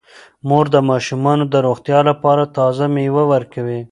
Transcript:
مور د ماشومانو د روغتیا لپاره تازه میوه ورکوي.